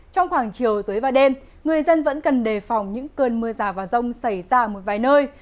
trong khoảng chiều tối và đêm người dân vẫn cần đề phòng những cơn mưa rào và rông xảy ra ở một vài nơi